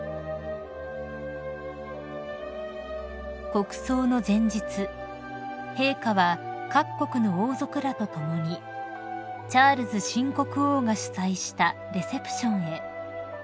［国葬の前日陛下は各国の王族らと共にチャールズ新国王が主催したレセプションへ］